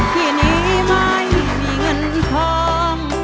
ที่นี้ไม่มีเงินทอง